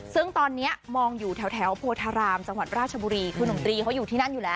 ซึ่งตอนนี้มองอยู่แถวโพธารามจังหวัดราชบุรีคือหนุ่มตรีเขาอยู่ที่นั่นอยู่แล้ว